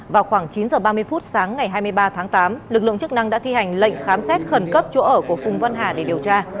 vào khoảng chín h ba mươi phút sáng ngày hai mươi ba tháng tám lực lượng chức năng đã thi hành lệnh khám xét khẩn cấp chỗ ở của phùng văn hà để điều tra